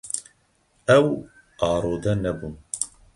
Ew arode nebûn.